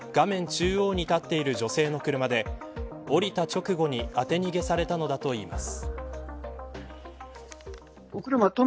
中央に立っている女性の車で降りた直後に当て逃げされたのだといいます。